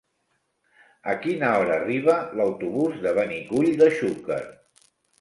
A quina hora arriba l'autobús de Benicull de Xúquer?